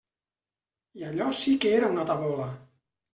I allò sí que era una tabola.